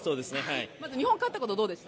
日本、勝ったことどうですか？